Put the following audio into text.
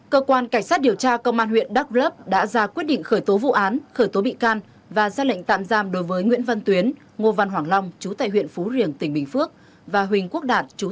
cơ quan cảnh sát điều tra công an huyện đắk lớp đã ra quyết định khởi tố vụ án khởi tố bị can và ra lệnh tạm giam đối với nguyễn văn tuyến ngô văn hoàng long chú tại huyện phú riềng tỉnh bình phước